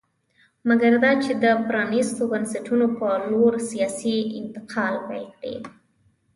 مګر دا چې د پرانېستو بنسټونو په لور سیاسي انتقال پیل کړي